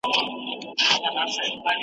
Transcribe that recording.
د زندګۍ نشه مې سر کې پرېږده